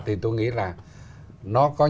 thì tôi nghĩ là nó có